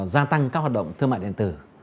gia tăng các hoạt động thương mại điện tử